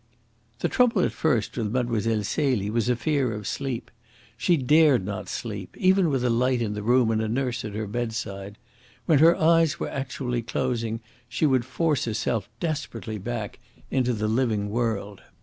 The trouble at first with Mlle. Celie was a fear of sleep. She dared not sleep even with a light in the room and a nurse at her bedside. When her eyes were actually closing she would force herself desperately back into the living world.